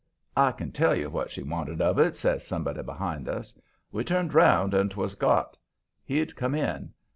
"I can tell you what she wanted of it," says somebody behind us. We turned round and 'twas Gott; he'd come in.